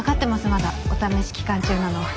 まだお試し期間中なのは。